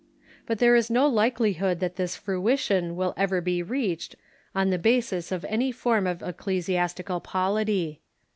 But there is no likelihood that this fruition will ever be reached on the ba sis of any definite form of ecclesiastical polity.